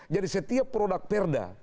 jadi setiap produk perda